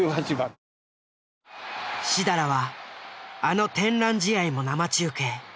設楽はあの天覧試合も生中継。